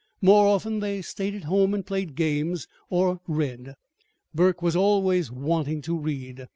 More often they stayed at home and played games, or read Burke was always wanting to read.